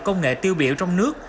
công nghệ tiêu biểu trong nước